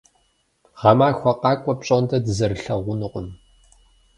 Гъэмахуэ къакӏуэ пщӏондэ дызэрылъэгъунукъым.